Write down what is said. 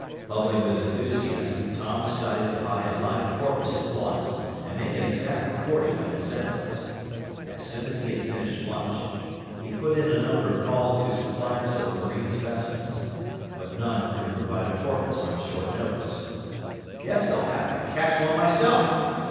Bubbling with enthusiasm, Tom decided to buy a live porpoise at once and make an exact recording of its sounds. As soon as he had finished lunch, he put in a number of calls to suppliers of marine specimens. But none could provide a porpoise on short notice. "Guess I'll have to catch one myself!"